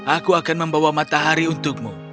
aku akan membawa matahari untukmu